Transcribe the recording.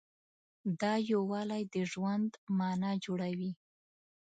دا یووالی د ژوند معنی جوړوي.